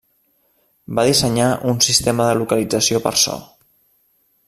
Va dissenyar un sistema de localització per so.